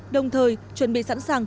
đồng thời chuẩn bị sẵn sàng